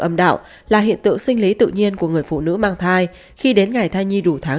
âm đạo là hiện tượng sinh lý tự nhiên của người phụ nữ mang thai khi đến ngày thai nhi đủ tháng